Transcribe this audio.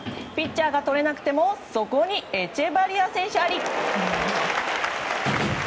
ピッチャーがとれなくてもそこにエチェバリア選手あり。